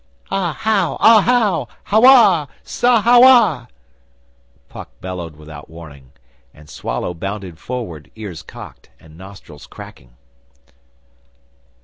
'Ah! How! Ah! How! How ah! Sa how ah!' Puck bellowed without warning, and Swallow bounded forward, ears cocked, and nostrils cracking.